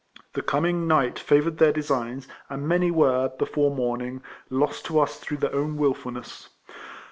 The coming night fa 210 RECOLLECTIONS OF voured their designs, and many were, before morning, lost to us through their own wil fuhicss.